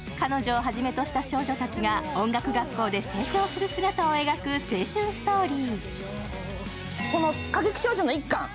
彼女をはじめとした少女たちが音楽学校で成長する姿を描く青春ストーリー。